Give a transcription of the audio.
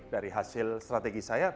dari hasil strategi saya